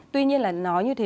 tuy nhiên là nói như thế